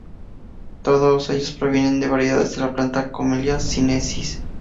Todos ellos provienen de variedades de la planta "Camellia sinensis".